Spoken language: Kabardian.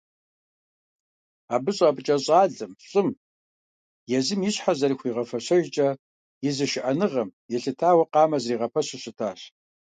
Абы щӀапӀыкӀа щӀалэм, лӀым, езым и щхьэ зэрыхуигъэфэщэжкӀэ, и зышыӀэныгъэм елъытауэ къамэ зэрагъэпэщу щытащ.